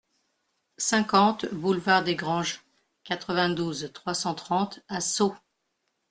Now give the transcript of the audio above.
cinquante boulevard Desgranges, quatre-vingt-douze, trois cent trente à Sceaux